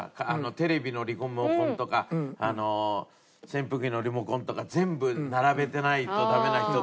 テレビのリモコンとか扇風機のリモコンとか全部並べてないとダメな人とか。